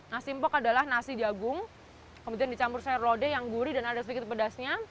nasi empok adalah nasi jagung kemudian dicampur sayur lodeh yang gurih dan ada sedikit pedasnya